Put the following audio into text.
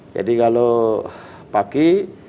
jadi kalau pagi